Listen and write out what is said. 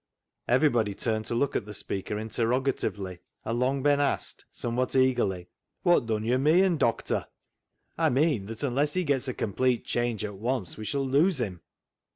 Everybody turned to look at the speaker interrogatively, and Long Ben asked somewhat eagerly —" Wot dun yo' meean, doctor ?"" I mean that unless he gets a complete change at once we shall lose him."